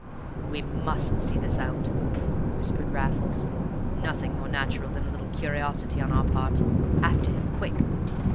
"We must see this out," whispered Raffles. "Nothing more natural than a little curiosity on our part. After him, quick!"